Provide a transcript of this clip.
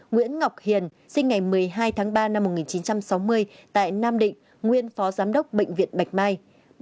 nguyễn ngọc hiền sinh ngày một mươi hai tháng ba năm một nghìn chín trăm sáu mươi tại nam định nguyên phó giám đốc bệnh viện bạch mai